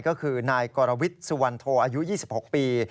ก็คือนายกรวิทย์สุวรรณโทอายุ๒๖ปี